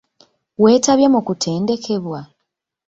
Weetabye mu kutendekebwa?